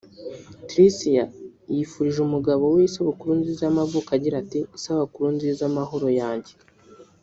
Tricia yifurije umugabo we isabukuru nziza y’amavuko agira ati “Isabukuru nziza Mahoro yanjye